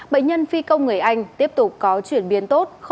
bệnh nhân phi công người anh tiếp tục có chuyển biến tốt